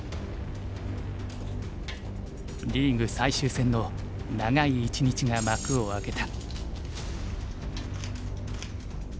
リーグ最終戦の長い一日が幕を開けた。